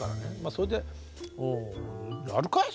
それで「やるかい？